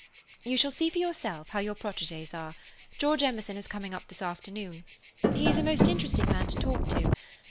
"You shall see for yourself how your protégés are. George Emerson is coming up this afternoon. He is a most interesting man to talk to.